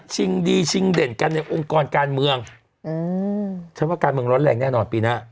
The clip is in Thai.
ดีชิงเด่นกันในองค์กรการเมืองอืมฉันว่าการเมืองร้อนแรงแน่นอนปีหน้า